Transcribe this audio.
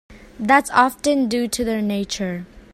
That's often due to their nature.